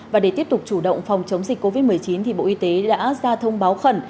và để tiếp tục chủ động phòng chống dịch covid một mươi chín bộ y tế đã ra thông báo khẩn